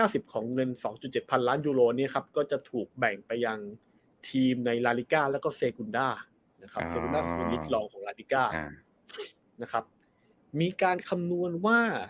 เซกุนด้านะครับอ๋อของนะครับมีการคำนวณว่า